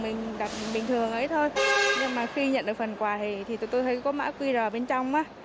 mình đặt bình thường ấy thôi nhưng mà khi nhận được phần quà thì tôi thấy có mã qr bên trong á